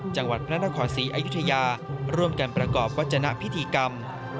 จังหวัดพระนครศรีอยุธยาร่วมกันประกอบวัฒนพิธีกรรม